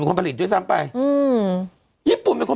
เพื่อไม่ให้เชื้อมันกระจายหรือว่าขยายตัวเพิ่มมากขึ้น